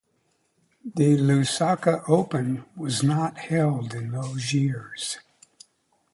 The Lusaka Open was not held in those years.